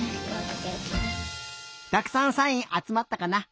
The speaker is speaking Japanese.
たくさんサインあつまったかな？